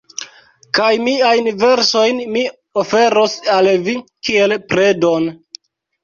Kaj miajn versojn mi oferos al vi kiel predon.